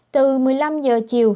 từ một mươi năm giờ chiều